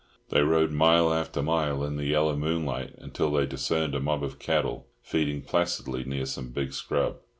They rode mile after mile in the yellow moonlight, until they discerned a mob of cattle feeding placidly near some big scrub.